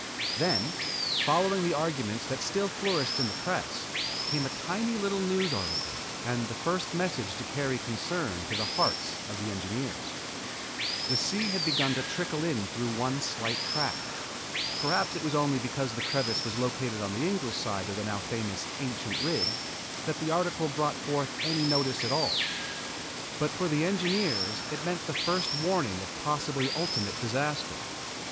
Then following the arguments that still flourished in the press, came a tiny little news article and the first message to carry concern to the hearts of the engineers. The sea had begun to trickle in through one slight crack. Perhaps it was only because the crevice was located on the English side of the now famous "ancient ridge" that the article brought forth any notice at all. But for the engineers it meant the first warning of possibly ultimate disaster.